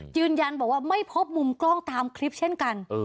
ยืนยันบอกว่าไม่พบมุมกล้องตามคลิปเช่นกัน